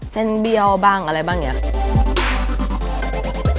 เบี้ยวบ้างอะไรบ้างอย่างนี้